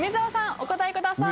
お答えください。